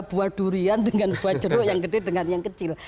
buah durian dengan buah jeruk yang gede dengan yang kecil